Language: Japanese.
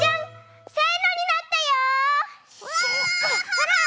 ほら！